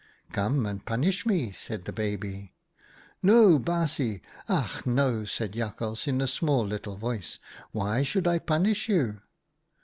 "' Come and punish me,' said the baby. "' No, baasje, ach no !' said Jakhals in a small, little voice, ' why should I punish you?